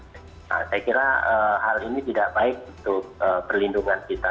saya kira hal ini tidak baik untuk perlindungan kita